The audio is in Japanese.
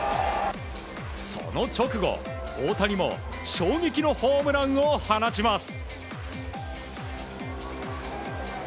その直後、大谷も衝撃のホームランを放ちます。